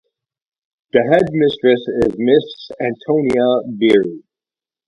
The head mistress is Miss Antonia Beary.